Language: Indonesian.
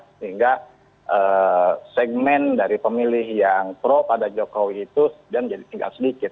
sehingga segmen dari pemilih yang pro pada jokowi itu tinggal sedikit